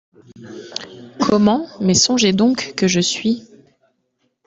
Comment… mais songez donc que je suis…